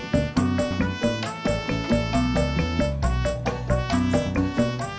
tengoknya apa nih